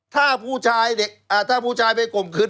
ถ้าผู้ชายไปข่มขืน